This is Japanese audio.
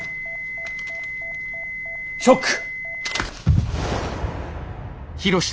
ショック！